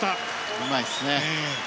うまいですね。